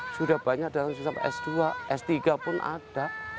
sudah banyak dalam sistem s dua s tiga pun ada